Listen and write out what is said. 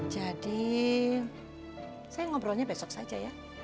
jadi saya ngobrolnya besok saja ya